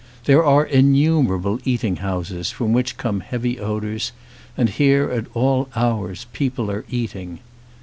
There are innumerable eat ing houses from which come heavy odours and here at all hours people are eating.